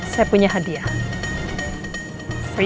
saya punya hadiah